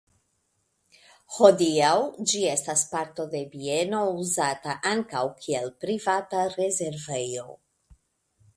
Hodiaŭ ĝi estas parto de bieno uzata ankaŭ kiel privata rezervejo.